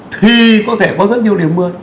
thì có thể có rất nhiều điểm mưa